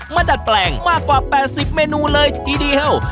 ดัดแปลงมากกว่า๘๐เมนูเลยทีเดียว